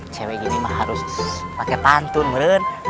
cewek ini harus pakai pantun raden